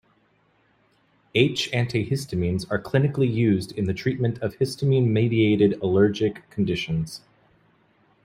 H-antihistamines are clinically used in the treatment of histamine-mediated allergic conditions.